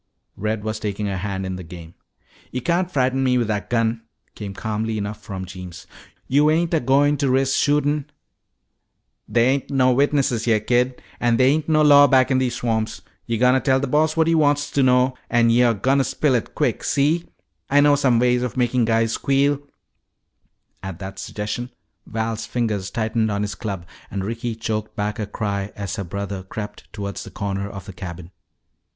Red was taking a hand in the game. "Yo' can't fright'n me with that gun," came calmly enough from Jeems. "Yo' ain't a goin' to risk shootin' " "There ain't no witnesses here, kid. And there ain't no law back in these swamps. Yuh're gonna tell the Boss what he wants to know an' yuh're gonna spill it quick, see? I know some ways of making guys squeal " At that suggestion Val's fingers tightened on his club and Ricky choked back a cry as her brother crept toward the corner of the cabin.